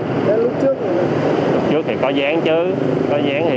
lúc trước thì có gián chứ có gián thì